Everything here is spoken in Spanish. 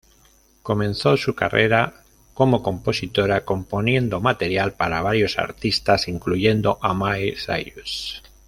Comenzó su carrera como compositora, componiendo material para varios artistas incluyendo a Miley Cyrus.